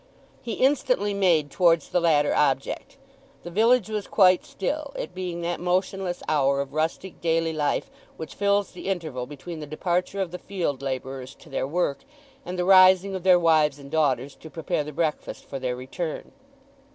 He instantly made towards the latter object. The village was quite still, it being that motionless hour of rustic daily life which fills the interval between the departure of the field labourers to their work, and the rising of their wives and daughters to prepare the breakfast for their return.